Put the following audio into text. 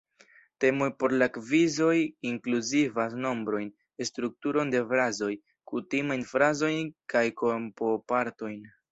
Temoj por la kvizoj inkluzivas nombrojn, strukturon de frazoj, kutimajn frazojn kaj korpopartojn.